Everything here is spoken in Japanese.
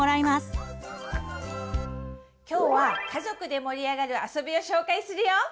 今日は家族で盛り上がるあそびを紹介するよ！